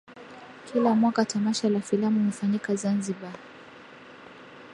Kila mwaka tamasha la filamu hufanyika Zanzibar